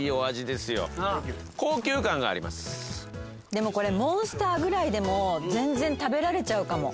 でもこれモンスターぐらいでも全然食べられちゃうかも。